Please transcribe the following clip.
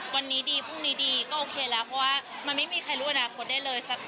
วันนี้ดีพรุ่งนี้ดีก็โอเคแล้วเพราะว่ามันไม่มีใครรู้อนาคตได้เลยสัก